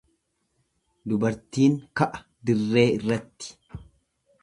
Dubartiin ka'a dirree irratti.